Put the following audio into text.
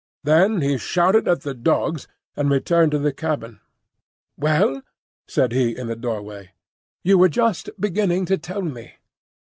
Then he shouted at the dogs, and returned to the cabin. "Well?" said he in the doorway. "You were just beginning to tell me."